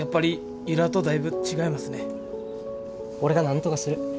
俺がなんとかする。